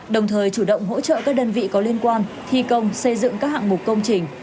đồng thời chủ động hỗ trợ các đơn vị có liên quan thi công xây dựng các hạng mục công trình